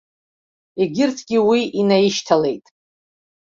Егьырҭгьы уи инаишьҭалеит.